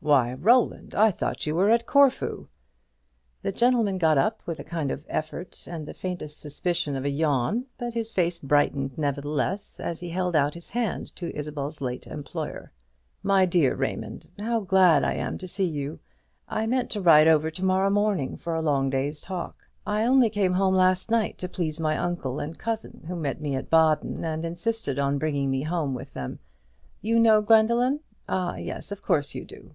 "Why, Roland, I thought you were at Corfu!" The gentleman got up, with a kind of effort and the faintest suspicion of a yawn; but his face brightened nevertheless, as he held out his hand to Isabel's late employer. "My dear Raymond, how glad I am to see you! I meant to ride over to morrow morning, for a long day's talk. I only came home last night, to please my uncle and cousin, who met me at Baden and insisted on bringing me home with them. You know Gwendoline? ah, yes, of course you do."